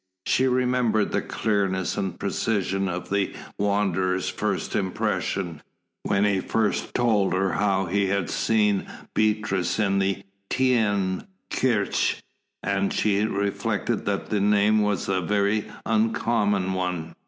She remembered the clearness and precision of the Wanderer's first impression, when he first told her how he had seen Beatrice in the Teyn Kirche, and she reflected that the name was a very uncommon one.